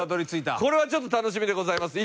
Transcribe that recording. これはちょっと楽しみでございます。